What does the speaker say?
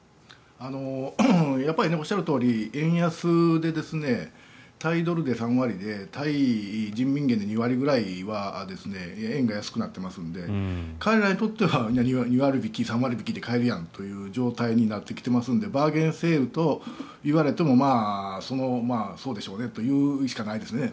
おっしゃるとおり円安で対ドルで３割で対人民元で２割くらいは円が安くなっていますので海外にとっては２割引き、３割引きで買えるやんという状態ですのでバーゲンセールと言われてもそうでしょうねと言うしかないですね。